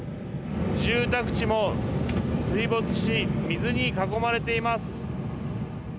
住宅地も水没し、水に囲まれています。